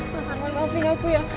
mas arman maafin aku ya